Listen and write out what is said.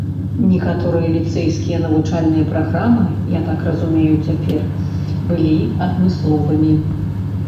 Некаторыя ліцэйскія навучальныя праграмы, я так разумею цяпер, былі адмысловымі.